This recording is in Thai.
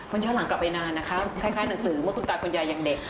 มันย้อนหลังกลับไปนานนะคะคล้ายหนังสือเมื่อคุณตาคุณยายยังเด็ก